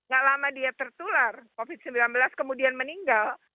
gak lama dia tertular covid sembilan belas kemudian meninggal